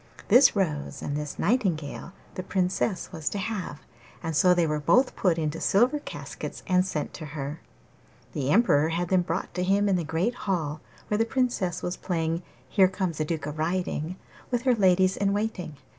This rose and this nightingale the Princess was to have, and so they were both put into silver caskets and sent to her. The Emperor had them brought to him in the great hall, where the Princess was playing 'Here comes a duke a riding' with her ladies in waiting.